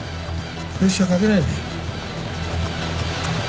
プレッシャーかけないで。